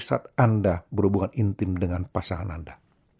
saat anda berhubungan intim dengan pasangan anda